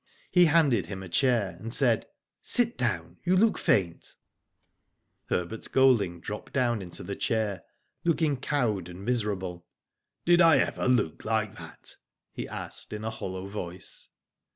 He handed him a chair, and said :Sit down, you look fainf Herbert Golding dropped down into the chair, looking cowed and miserable. *^ Did I ever look like that ?'' he asked, in a hollow voice.